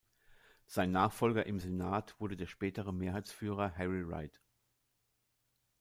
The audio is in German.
Sein Nachfolger im Senat wurde der spätere Mehrheitsführer Harry Reid.